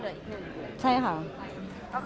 อเรนนี่มีหลังไม้ไม่มี